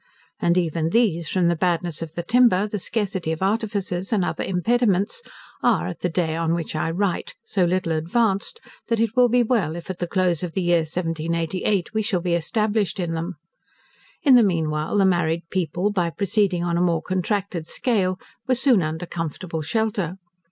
And even these, from the badness of the timber, the scarcity of artificers, and other impediments, are, at the day on which I write, so little advanced, that it will be well, if at the close of the year 1788, we shall be established in them. In the meanwhile the married people, by proceeding on a more contracted scale, were soon under comfortable shelter.